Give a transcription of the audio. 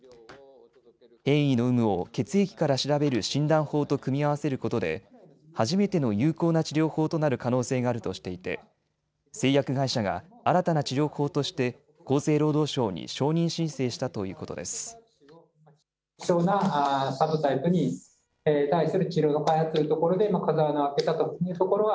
変異の有無を血液から調べる診断法と組み合わせることで初めての有効な治療法となる可能性があるとしていて製薬会社が新たな治療法として厚生労働省に承認申請したということです。